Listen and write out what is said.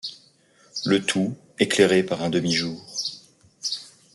Le tout éclairé par un demi-jour.